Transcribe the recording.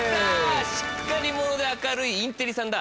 しっかり者で明るいインテリさんだ。